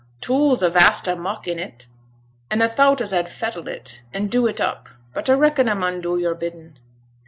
'T' 'ool's a vast o' muck in 't, an' a thowt as a'd fettle it, an' do it up; but a reckon a mun do yo'r biddin'.'